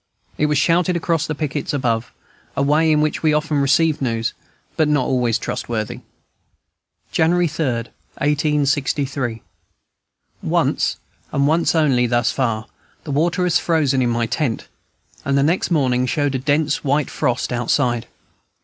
It was shouted across by the pickets above, a way in which we often receive news, but not always trustworthy. January 3, 1863. Once, and once only, thus far, the water has frozen in my tent; and the next morning showed a dense white frost outside.